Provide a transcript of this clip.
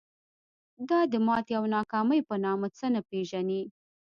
دا د ماتې او ناکامۍ په نامه څه نه پېژني.